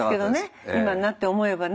今になって思えばね。